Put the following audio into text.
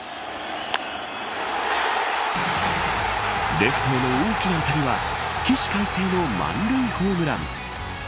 レフトへの大きな当たりは起死回生の満塁ホームラン。